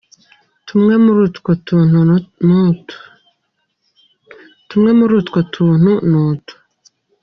Tumwe muru utwo tuntu ni utu:.